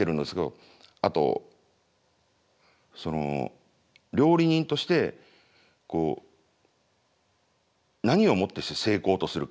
あと料理人としてこう何をもってして成功とするか。